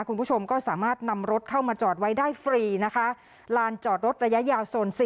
คุณผู้ชมก็สามารถนำรถเข้ามาจอดไว้ได้ฟรีนะคะลานจอดรถระยะยาวโซน๔